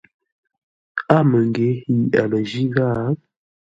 A məngyě yi a lə jí ghâa.